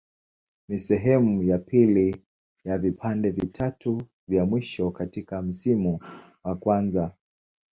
Ni sehemu ya pili ya vipande vitatu vya mwisho katika msimu wa kwanza.